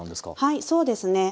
はいそうですね。